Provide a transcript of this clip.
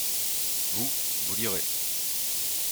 Vous, vous lirez.